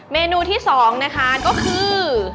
เมนูที่๒นะคะก็คือ